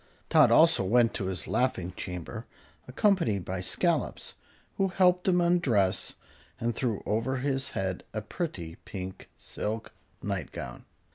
Tot also went to his laughing chamber, accompanied by Scollops, who helped him undress and threw over his head a pretty pink silk nightgown.